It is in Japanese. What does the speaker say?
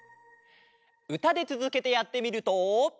うたでつづけてやってみると。